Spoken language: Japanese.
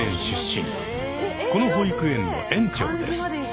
この保育園の園長です。